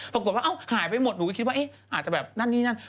ปรากฏว่าเอ้าหายไปหมดหนูก็คิดว่าเอ๊ะอาจจะแบบนั่นนี่นั่น